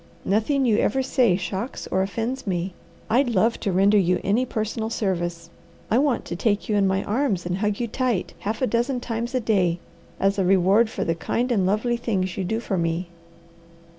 Nothing you ever say shocks or offends me. I'd love to render you any personal service. I want to take you in my arms and hug you tight half a dozen times a day as a reward for the kind and lovely things you do for me."